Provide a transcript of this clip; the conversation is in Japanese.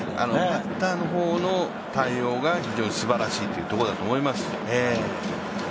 バッターの方の対応が非常にすばらしいというところだと思います。